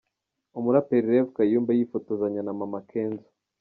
Umuraperi Rev Kayumba yifotozanya na Mama Kenzo.